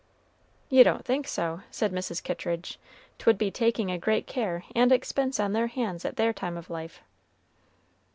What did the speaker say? "You don't think so," said Mrs. Kittridge. "'Twould be taking a great care and expense on their hands at their time of life."